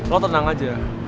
lo tenang aja